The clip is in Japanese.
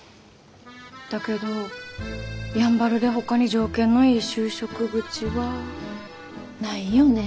だけどやんばるでほかに条件のいい就職口は。ないよね。